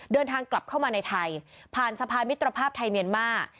เดินทางกลับเข้ามาในไทยผ่านสะพานมิตรภาพไทยเมียนมาร์